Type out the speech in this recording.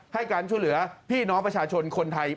ให้การช่วยเหลือพี่น้องประชาชนคนไทย